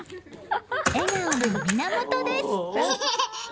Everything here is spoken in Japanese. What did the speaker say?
笑顔の源です！